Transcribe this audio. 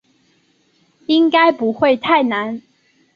应该不会太难